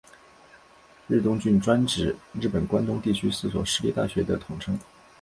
日东驹专指日本关东地区四所私立大学的统称。